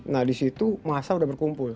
nah di situ massa udah berkumpul